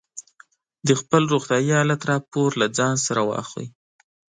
د خپل روغتیايي حالت راپور له ځان سره واخلئ.